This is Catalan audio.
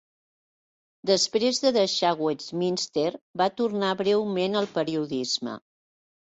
Després de deixar Westminster va tornar breument al periodisme.